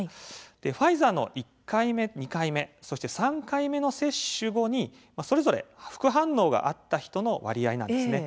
ファイザーの１回目、２回目そして３回目の接種後にそれぞれ副反応があった人の割合です。